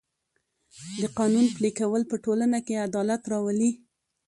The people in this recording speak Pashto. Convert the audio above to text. د قانون پلي کول په ټولنه کې عدالت راولي.